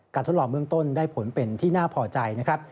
ทดลองเบื้องต้นได้ผลเป็นที่น่าพอใจนะครับ